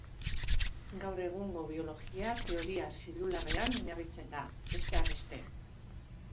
Gaur egungo biologia Teoria zelularrean oinarritzen da, besteak beste.